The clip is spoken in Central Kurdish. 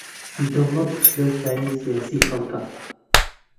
دەوڵەت پلە و پایەی سیاسیی خەڵکە